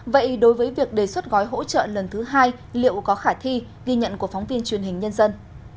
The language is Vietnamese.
vậy đối với việc đề xuất gói hỗ trợ lần thứ hai liệu có khả thi ghi nhận của phóng viên truyền hình nhân dân